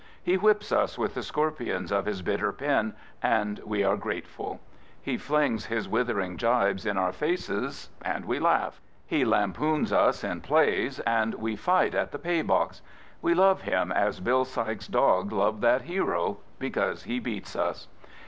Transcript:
He whips us with the scorpions of his bitter pen, and we are grateful. He flings his withering gibes in our faces and we laugh. He lampoons us in plays and we fight at the pay box. We love him as Bill Sikes' dog loved that hero— because he beats us.